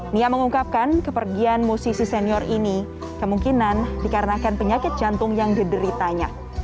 nia mengungkapkan kepergian musisi senior ini kemungkinan dikarenakan penyakit jantung yang dideritanya